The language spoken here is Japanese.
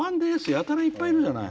やたらいっぱいいるじゃない。